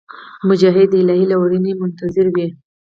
مجاهد د الهي لورینې منتظر وي.